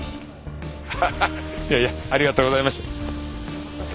ハハハッいやいやありがとうございました。